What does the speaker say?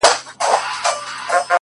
نور به وه ميني ته شعرونه ليكلو ـ